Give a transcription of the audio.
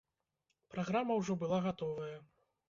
Праграма ўжо была гатовая.